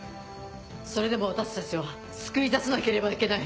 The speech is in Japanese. それでも私たちは救い出さなければいけない。